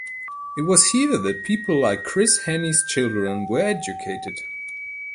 It was here that people like Chris Hani's children were educated.